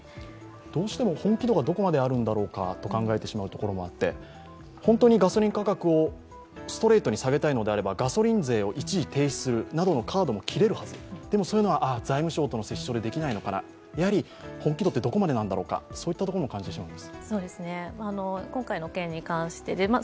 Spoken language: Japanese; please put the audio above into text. どうしても本気度がどこまであるんだろうかと考えてしまうところもあて、本当にガソリン価格をストレートに下げたいのであればガソリン税を一時停止するなどのカードも切れるはずでもそういうのは財務省との折衝でできないのかな、やはり本気度ってどこまでなんだろうか、そういったところも感じてしまうんです。